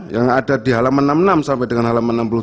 yang ada di halaman enam puluh enam sampai dengan halaman enam puluh tiga